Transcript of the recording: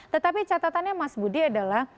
tetapi catatannya mas budi adalah